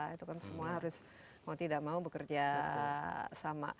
itu kan semua harus mau tidak mau bekerja sama